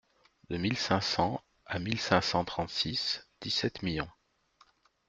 De mille cinq cents à mille cinq cent trente-six, dix-sept millions.